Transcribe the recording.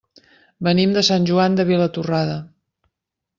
Venim de Sant Joan de Vilatorrada.